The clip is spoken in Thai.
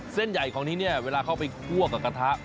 เส้นใหญ่ของที่นี่เวลาเข้าไปคั่วกับกระทะ